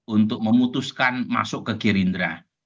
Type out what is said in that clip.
untuk memutuskan masuk ke gerindra